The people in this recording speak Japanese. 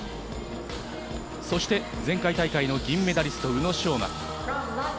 そして前回大会の銀メダリスト・宇野昌磨。